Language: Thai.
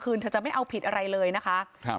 แล้วมันจะเลือกน้อยเพียงใดเลือกเข้าใน